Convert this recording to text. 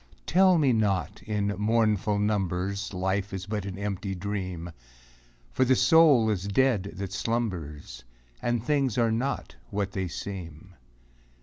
Tell me not, in mournful numbers, Life is but an empty dream ! For the soul is dead that slumbers. And things are not what they seem.